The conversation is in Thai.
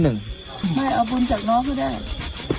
ไม่เอาบุญจากน้องก็ได้